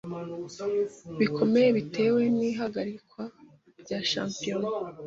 bikomeye bitewe n'ihagarikwa rya shampiyona